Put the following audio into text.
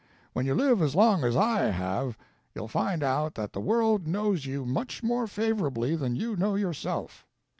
When you live as long as I have you'll find out that the world knows you much more favorably than you know yourself.